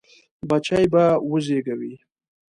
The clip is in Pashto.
بچي به وزېږوي.